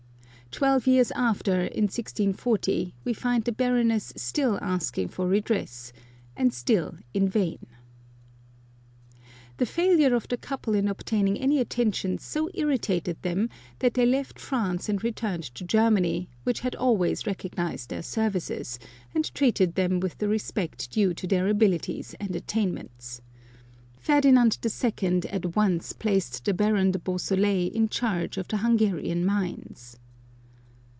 Twelve years after, in 1640. we find the Baroness still asking for redress, and still in vain. The failure of the couple in obtaining any attention so irritated them that they left France and returned to Germany, which had always recognised their services, and treated them with the respect due to their abilities and attainments. Ferdinand II. at once placed the Baron de Beausoleil in charge of the Hungarian mines.